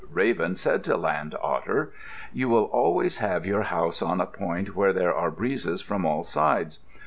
Raven said to Land Otter, "You will always have your house on a point where there are breezes from all sides.